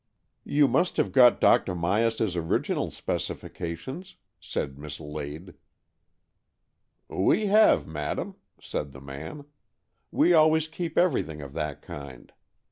"You must have got Dr. Myas's original specifications," said Miss Lade. " We have, madam," said the man. " We always keep everything of that kind.